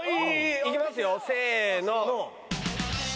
いきますよせーの。